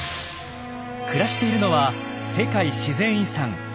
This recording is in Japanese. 暮らしているのは世界自然遺産